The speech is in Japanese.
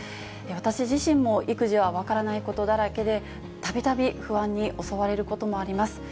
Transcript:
私自身も育児は分からないことだらけで、たびたび不安に襲われることもあります。